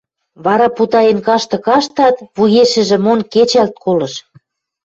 Вара путаен кашты-каштат, вуешӹжӹ мон, кечӓлт колыш.